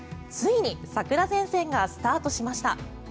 ついに桜前線がスタートしました。